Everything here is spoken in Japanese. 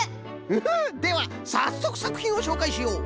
フフッではさっそくさくひんをしょうかいしよう。